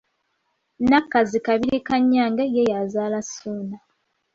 Nnakazzi Kabirikanyange ye yazaala Suuna